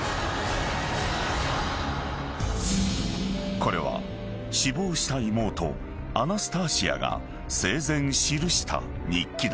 ［これは死亡した妹アナスターシアが生前記した日記だ］